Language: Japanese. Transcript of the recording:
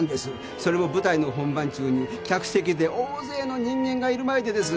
それも「舞台の本番中に客席で大勢の人間がいる前で」です。